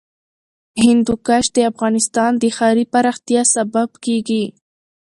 هندوکش د افغانستان د ښاري پراختیا سبب کېږي.